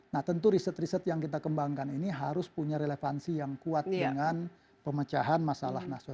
nah tentu riset riset yang kita kembangkan ini harus punya relevansi yang kuat dengan pemecahan masalah nasional